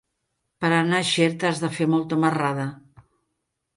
Per anar a Xert has de fer molta marrada.